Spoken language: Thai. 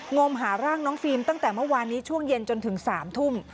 มหาร่างน้องฟิล์มตั้งแต่เมื่อวานนี้ช่วงเย็นจนถึง๓ทุ่ม